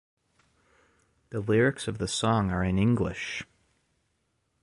The lyrics of the song are in English.